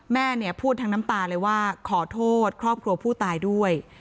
แม่เนี่ยพูดทั้งน้ำตาเลยว่าขอโทษครอบครัวผู้ตายด้วย